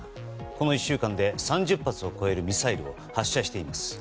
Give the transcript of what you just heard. この１週間で３０発を超えるミサイルを発射しています。